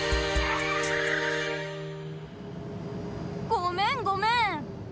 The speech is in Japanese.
ごめんごめん！